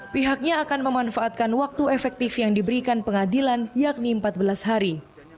pihaknya akan memanfaatkan waktu efektif yang diberikan pengadilan yakni empat belas hari